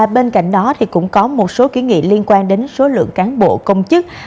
bên cạnh đó cũng có một số ký nghị liên quan đến số lượng cán bộ công chức